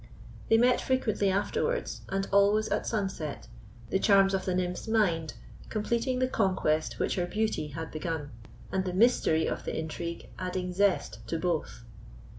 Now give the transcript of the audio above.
They met frequently afterwards, and always at sunset, the charms of the nymph's mind completing the conquest which her beauty had begun, and the mystery of the intrigue adding zest to both.